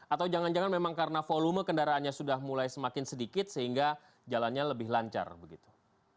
atau jangan jangan memang karena volume kendaraannya sudah mulai semakin sedikit sehingga jalannya lebih lancar begitu